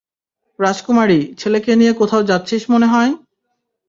রাজকুমারী, ছেলেকে নিয়ে কোথাও যাচ্ছিস মনে হয়?